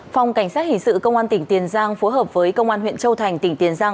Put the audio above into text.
phòng cảnh sát hình sự công an tỉnh tiền giang phối hợp với công an huyện châu thành tỉnh tiền giang